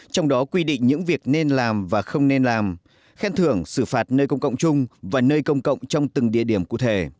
trong đó quy định những việc nên làm và không nên làm khen thưởng xử phạt nơi công cộng chung và nơi công cộng trong từng địa điểm cụ thể